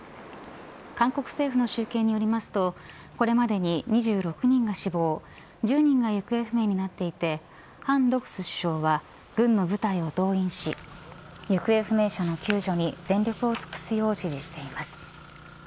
韓国政府の集計によりますとこれまでに２６人が死亡１０人が行方不明になっていて韓悳洙首相は軍の部隊を動員し行方不明者の救助に全力を尽くすよう指示しています。